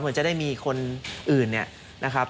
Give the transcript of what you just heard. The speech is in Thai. เหมือนจะได้มีคนอื่นนะครับ